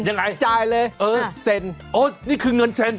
จ่ายเลยเออเซ็นโอ้นี่คือเงินเซ็น